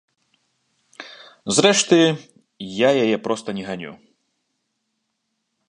Зрэшты, я яе проста не ганю.